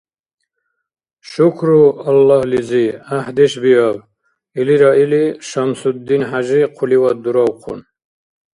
– Шукру Аллагьлизи, гӀяхӀдеш биаб, - илира или, ШамсудинхӀяжи хъуливад дуравхъун.